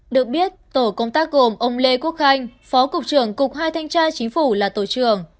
được biết tổ công tác gồm ông lê quốc khanh phó cục trưởng cục hai thanh tra chính phủ là tổ trưởng